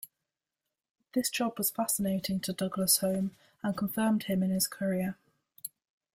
This job was fascinating to Douglas-Home, and confirmed him in his career.